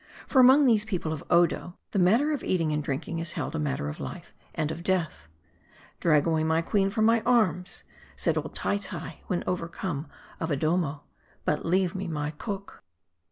For among these people of Odo, the matter of eat ing and drinking is held a matter of life and of death. " Drag away my queen from my arms," said old Tyty when overcome of Adommo, " but leave me my cook."